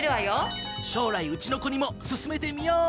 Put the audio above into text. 将来うちの子にも薦めてみよう！